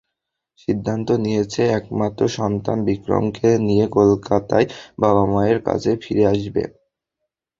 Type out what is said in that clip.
সিদ্ধান্ত নিয়েছে একমাত্র সন্তান বিক্রমকে নিয়ে কলকাতায় বাবা-মায়ের কাছে ফিরে আসবে।